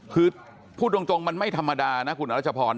คือพูดตรงมันไม่ธรรมดานะคุณอรัชพร